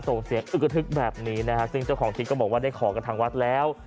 ส่งเสียงอึกกระทึกแบบนี้นะฮะซึ่งเจ้าของคลิปก็บอกว่าได้ขอกับทางวัดแล้ว